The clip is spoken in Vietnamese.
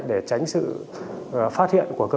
để tránh sự phát hiện của các tài sản